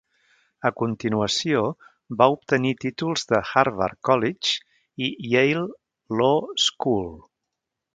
A continuació, va obtenir títols de Harvard College i Yale Law School.